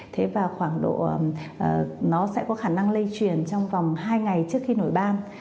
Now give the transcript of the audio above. thế và khoảng độ nó sẽ có khả năng lây truyền trong vòng hai ngày trước khi nổi ban